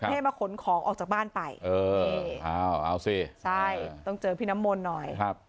ให้มาขนของออกจากบ้านไปเออเอาสิใช่ต้องเจอพี่น้ำมนต์หน่อยครับ